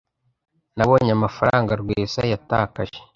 Nabonye amafaranga Rwesa yatakaje.